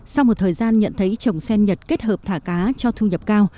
sau một thời gian nhận thấy trồng sen nhật kết hợp thả cá cho thu nhập cao